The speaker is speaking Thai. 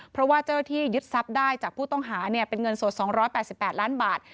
เพราะว่าเจ้าหน้าที่ยึดทรัพย์ได้จากผู้ต้องหาเป็นเงินสด๒๘๘ล้านบาท